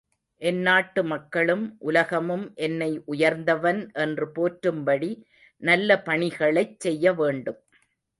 என் நாட்டு மக்களும், உலகமும் என்னை உயர்ந்தவன் என்று போற்றும்படி நல்ல பணிகளைச் செய்யவேண்டும்.